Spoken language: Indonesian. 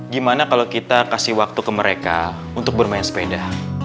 gimana kalau kita kasih waktu ke mereka untuk bermain sepeda